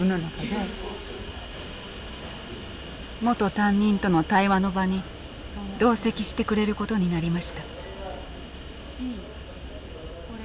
元担任との対話の場に同席してくれることになりました。